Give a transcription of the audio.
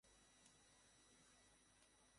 এটা এখন পৃথিবীর সবচেয়ে বড় শহর।